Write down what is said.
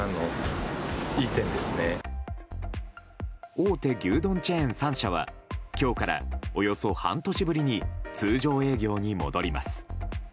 大手牛丼チェーン３社は今日から、およそ半年ぶりに通常営業に戻ります。